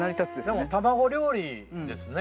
でも卵料理ですね。